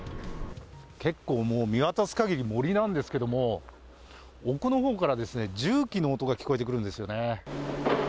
結構もう、見渡すかぎり森なんですけども、奥のほうからですね、重機の音が聞こえてくるんですよね。